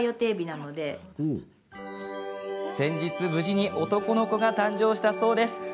先日、無事に男の子が誕生したそうです。